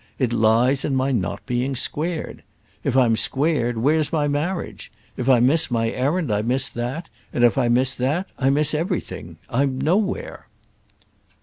It lies in my not being squared. If I'm squared where's my marriage? If I miss my errand I miss that; and if I miss that I miss everything—I'm nowhere."